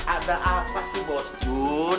ada apa sih bos jun